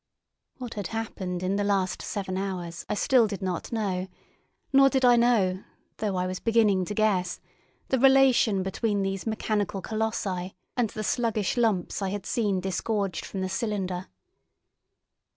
What had happened in the last seven hours I still did not know; nor did I know, though I was beginning to guess, the relation between these mechanical colossi and the sluggish lumps I had seen disgorged from the cylinder.